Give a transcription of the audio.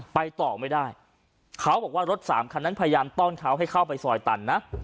ไปต่อไม่ได้เขาบอกว่ารถสามคันนั้นพยายามต้อนเขาให้เข้าไปซอยตันนะ